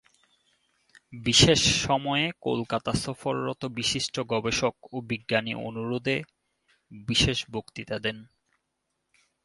বিশেষ সময়ে কলকাতা সফররত বিশিষ্ট গবেষক ও বিজ্ঞানী অনুরোধে বিশেষ বক্তৃতা দেন।